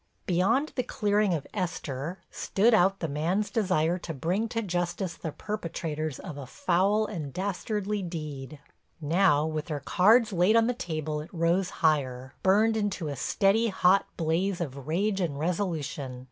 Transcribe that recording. Beyond the clearing of Esther, stood out the man's desire to bring to justice the perpetrators of a foul and dastardly deed. Now, with their cards laid on the table, it rose higher, burned into a steady, hot blaze of rage and resolution.